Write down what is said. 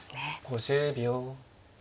５０秒。